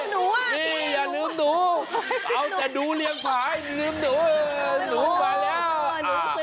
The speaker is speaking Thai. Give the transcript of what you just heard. นี่อย่าลืมหนูเอาแต่ดูเรียงผาให้ลืมหนูหนูมาแล้ว